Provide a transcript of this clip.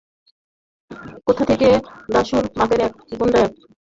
কোথা থেকে দাশুর মাপের এক গুণ্ডা খুঁজে বার করলে– একেবারে তাকে পাঠালে ঢাকায়।